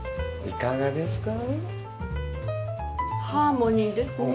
いかがですか？